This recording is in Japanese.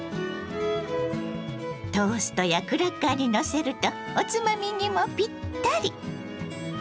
トーストやクラッカーにのせるとおつまみにもピッタリ！